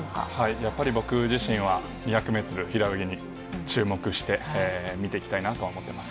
やっぱり僕自身は、２００メートル平泳ぎに注目して見ていきたいなとは思ってます。